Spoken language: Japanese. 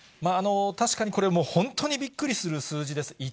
確かにこれもう、本当にびっくりする数字です。